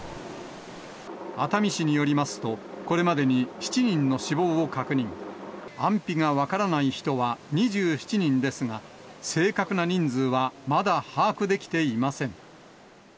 熱海市によりますと、これまでに７人の死亡を確認、安否が分からない人は２７人ですが、正確な人数はまだ把握できていません。